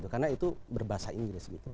karena itu berbahasa inggris